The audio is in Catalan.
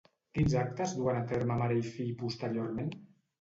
Quins actes duen a terme mare i fill posteriorment?